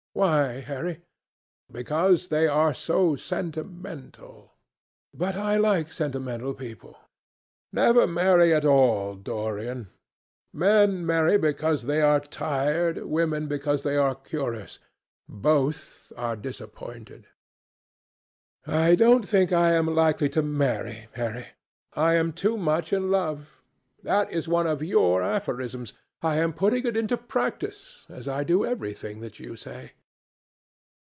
"Why, Harry?" "Because they are so sentimental." "But I like sentimental people." "Never marry at all, Dorian. Men marry because they are tired; women, because they are curious: both are disappointed." "I don't think I am likely to marry, Harry. I am too much in love. That is one of your aphorisms. I am putting it into practice, as I do everything that you say."